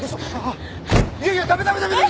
いやいやダメダメダメダメ！